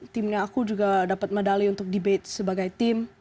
timnya aku juga dapat medali untuk debate sebagai tim